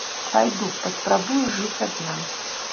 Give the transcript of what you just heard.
Пайду, паспрабую жыць адна.